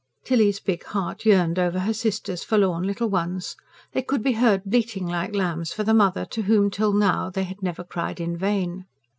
Tilly's big heart yearned over her sister's forlorn little ones; they could be heard bleating like lambs for the mother to whom till now they had never cried in vain.